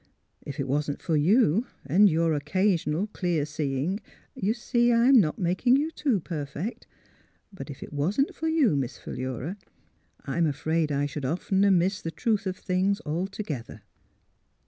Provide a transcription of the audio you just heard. If it wasn't for you, and your occasional clear seeing — you see, I'm not making you too perfect — but if it wasn't for you. Miss Philura, I'm afraid I should oftener miss the truth of things, altogether."